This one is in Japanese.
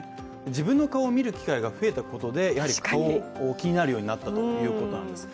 自分の顔を見る機会が増えたことで顔が気になるようになったということなんです